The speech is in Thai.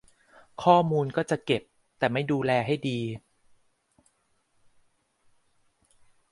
ข้อมูลก็จะเก็บ แต่ไม่ดูแลให้ดี